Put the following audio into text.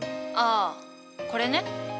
ああこれね。